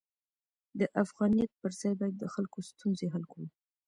د افغانیت پر ځای باید د خلکو ستونزې حل کړو.